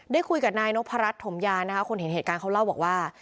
ได้คุยกับนายนพรัชถมยานะคะคนเห็นเหตุการณ์เขาเล่าบอกว่า